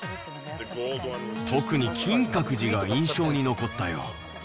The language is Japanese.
特に金閣寺が印象に残ったよ。